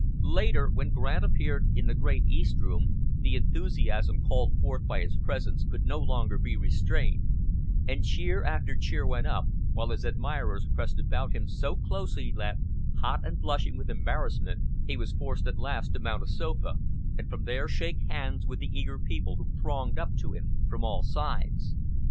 Later, when Grant appeared in the great East Room, the enthusiasm called forth by his presence could no longer be restrained, and cheer after cheer went up, while his admirers pressed about him so closely that, hot and blushing with embarrassment, he was forced at last to mount a sofa, and from there shake hands with the eager people who thronged up to him from all sides.